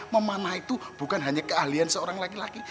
memanah itu bukan hanya keahlian seorang laki laki